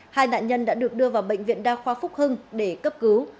hai nạn nhân đã được đưa vào bệnh viện đa khoa phúc hưng để cấp cứu